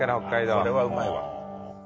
これはうまいわ。